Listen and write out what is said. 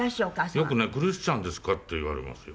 よくねクリスチャンですか？って言われますよ。